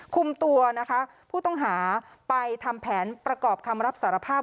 คุมตัวนะคะผู้ต้องหาไปทำแผนประกอบคำรับสารภาพ